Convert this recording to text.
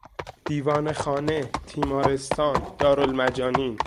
دیوانه خانه، تیمارستان، دارالمجانین